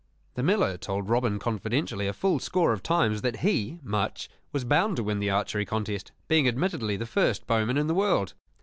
The miller told Robin confidentially a full score of times that he, Much, was bound to win the archery contest, being admittedly the first bowman in the world.